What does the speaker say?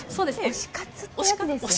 推し活ってやつですよね？